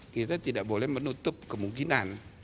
kita tidak boleh menutup kemungkinan